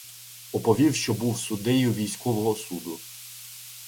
Оповів, що був суддею військового суду.